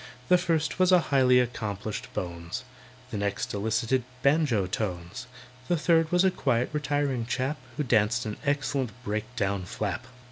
The first was a highly accomplished "bones," The next elicited banjo tones, The third was a quiet, retiring chap, Who danced an excellent break down "flap."